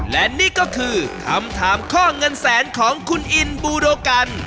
และนี่ก็คือคำถามข้อเงินแสนของคุณอินบูโดกัน